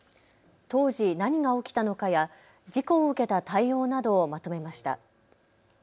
当時、何が起きたのかや事故を受けた対応などをまとめました。